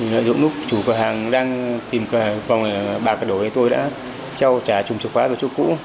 lúc chủ cửa hàng đang tìm cửa hàng bạc đổi tôi đã treo trà trùm chìa khóa vào chỗ cũ